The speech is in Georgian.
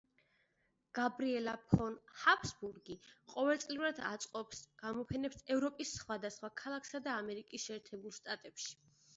გაბრიელა ფონ ჰაბსბურგი ყოველწლიურად აწყობს გამოფენებს ევროპის სხვადასხვა ქალაქსა და ამერიკის შეერთებულ შტატებში.